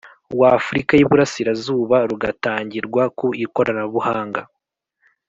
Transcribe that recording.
w Afurika y Iburasirazuba rugatangirwa ku ikoranabuhanga